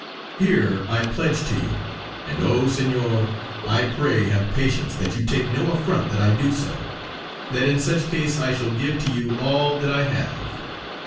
Here I pledge to you and, oh Senor, I pray have patience that you take no affront that I do so that in such case I shall give to you all that I have.